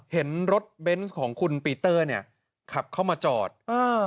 เห็นรถเบนส์ของคุณปีเตอร์เนี่ยขับเข้ามาจอดเออ